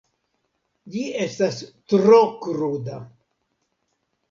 Ĝi estas tro kruda.